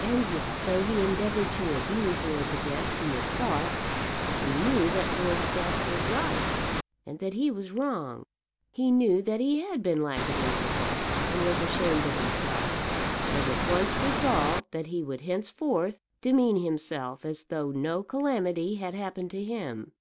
And yet, though he endeavoured to abuse Lord De Guest in his thoughts, he knew that Lord De Guest was right, and that he was wrong. He knew that he had been lackadaisical, and was ashamed of himself; and at once resolved that he would henceforth demean himself as though no calamity had happened to him.